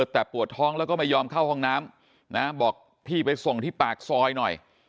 แต่ปวดท้องแล้วก็ไม่ยอมเข้าห้องน้ำนะบอกพี่ไปส่งที่ปากซอยหน่อย